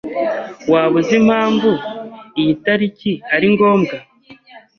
Waba uzi impamvu iyi tariki ari ngombwa?